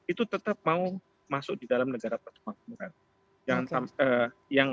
itu tetap mau masuk di dalam negara persemakmuran